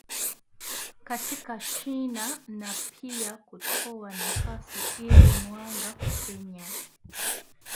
katika shina na pia kutoa nafasi ili mwanga kupenya